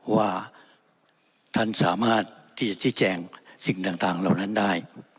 ว่าท่านสามารถที่จะชี้แจงสิ่งต่างเหล่านั้นได้